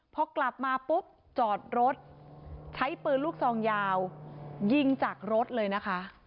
พอกลับมาปุ๊บจอดรถใช้ปืนลูกซองยาวยิงจากรถเลยนะคะ